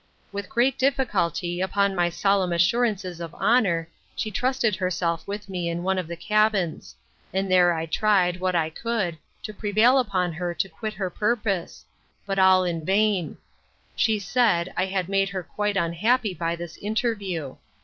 With great difficulty, upon my solemn assurances of honour, she trusted herself with me in one of the cabins; and there I tried, what I could, to prevail upon her to quit her purpose; but all in vain: She said, I had made her quite unhappy by this interview!